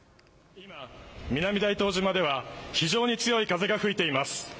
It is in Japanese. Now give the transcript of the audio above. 今、南大東島では非常に強い風が吹いています。